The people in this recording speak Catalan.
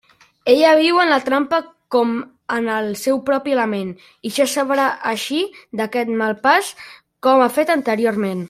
Ella viu en la trampa com en el seu propi element, i ja sabrà eixir d'aquest mal pas com ha fet anteriorment.